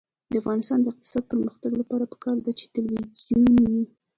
د افغانستان د اقتصادي پرمختګ لپاره پکار ده چې تلویزیون وي.